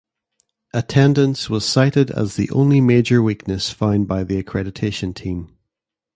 Attendance was cited as the only major weakness found by the accreditation team.